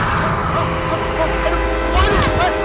mereka gak pernah lapor bikin ktp disini